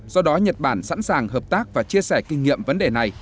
do đó nhật bản sẵn sàng hợp tác và chia sẻ kinh nghiệm vấn đề này